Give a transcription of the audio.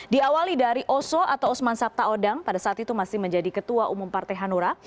diawali dari oso atau osman sabtaodang pada saat itu masih menjadi ketua umum partai hanura